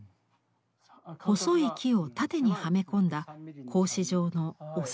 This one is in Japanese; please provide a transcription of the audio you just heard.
細い木を縦にはめ込んだ格子状の「筬欄間」です。